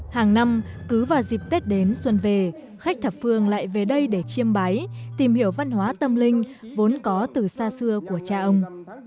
hàng năm cứ vào dịp tết đến xuân về khách thập phương lại về đây để chiêm báy tìm hiểu văn hóa tâm linh vốn có từ xa xưa của cha ông